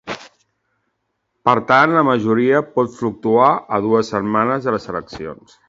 Per tant, la majoria pot fluctuar a dues setmanes de les eleccions.